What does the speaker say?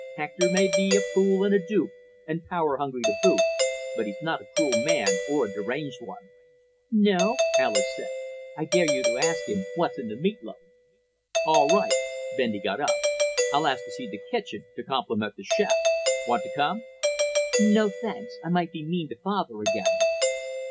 Hector may be a fool and a dupe, and power hungry to boot, but he's not a cruel man, or a deranged one." "No?" Alis said. "I dare you to ask him what's in the meat loaf." "All right." Bendy got up. "I'll ask to see the kitchen to compliment the chef. Want to come?" "No, thanks. I might be mean to Father again."